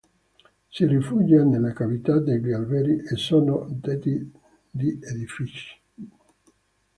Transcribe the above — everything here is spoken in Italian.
Si rifugia nelle cavità degli alberi e sotto tetti di edifici.